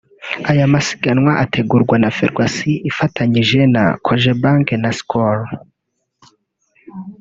Aya masiganwa ategurwa na Ferwacy ifatanyije na Cogebanque na Skol